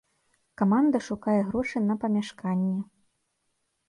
Каманда шукае грошы на памяшканне.